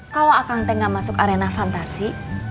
kalau akang teng gak masuk arena fantasi